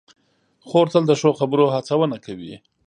خور تل د ښو خبرو هڅونه کوي.